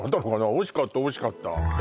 おいしかったおいしかった